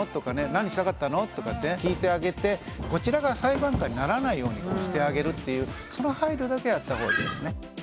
「何したかったの？」とか聞いてあげてこちらが裁判官にならないようにしてあげるっていうその配慮だけはやったほうがいいですね。